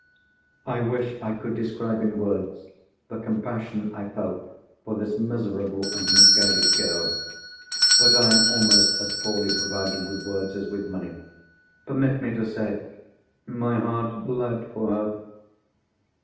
I wish I could describe in words the compassion I felt for this miserable and misguided girl. But I am almost as poorly provided with words as with money. Permit me to say—my heart bled for her.